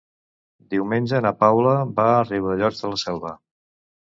Diumenge na Paula va a Riudellots de la Selva.